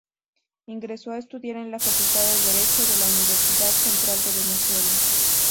Ingresó a estudiar en la Facultad de Derecho de la Universidad Central de Venezuela.